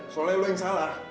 soalnya lo yang salah